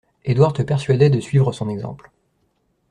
Édouard te persuadait de suivre son exemple.